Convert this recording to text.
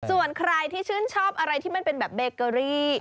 ส่วนใครที่ชื่นชอบอะไรที่มันเป็นแบบเบเกอรี่